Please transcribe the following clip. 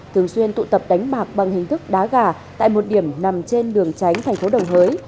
thường xuyên tụ tập đánh bạc bằng hình thức đá gà tại một điểm nằm trên đường tránh thành phố đồng hới